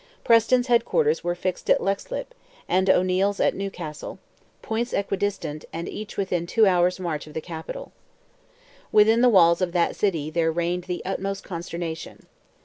Preston's head quarters were fixed at Leixlip, and O'Neil's at Newcastle—points equi distant, and each within two hours' march of the capital. Within the walls of that city there reigned the utmost consternation.